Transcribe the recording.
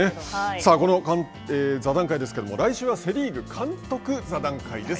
さあ、この座談会ですけれども来週はセ・リーグ監督座談会です。